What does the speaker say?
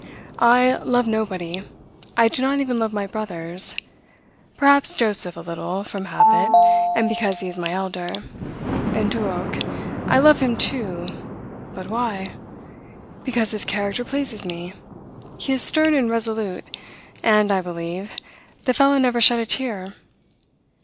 I love nobody. I do not even love my brothers; perhaps Joseph, a little, from habit, and because he is my elder; and Duroc, I love him too; but why? because his character pleases me; he is stern and resolute, and, I believe, the fellow never shed a tear.